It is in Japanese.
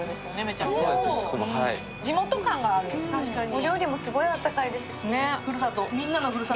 お料理もすごくあったかいですし。